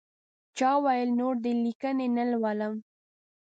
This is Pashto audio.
چا ویل نور دې لیکنې نه لولم.